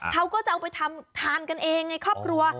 เขาก็จะเอาไปทำทานกันเองในครอบครัว